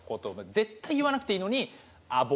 絶対言わなくていいのに。